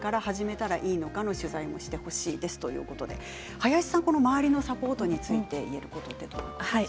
林さん、周りのサポートについてどうですか。